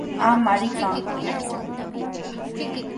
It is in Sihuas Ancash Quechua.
¡Ama rikankiku!